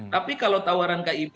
tapi kalau tawaran kib